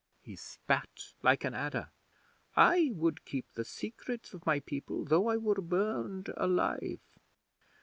He spat like an adder. "I would keep the secrets of my people though I were burned alive.